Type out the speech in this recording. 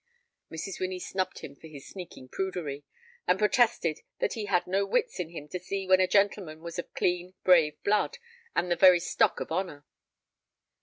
Mrs. Winnie snubbed him for his sneaking prudery, and protested that he had no wits in him to see when a gentleman was of clean, brave blood and the very stock of honor.